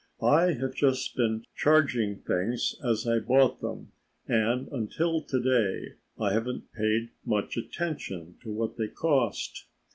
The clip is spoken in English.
I have just been charging things as I bought them and until to day I haven't paid much attention to what they cost.